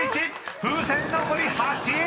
風船残り８！］